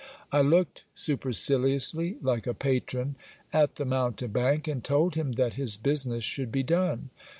I looked superciliously, like a patron, at the mountebank, and told him that his business should be done.